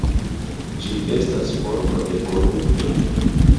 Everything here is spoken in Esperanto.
Ĝi estas formo de korupto.